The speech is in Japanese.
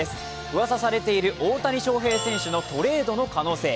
うわさされている大谷翔平選手のトレードの可能性。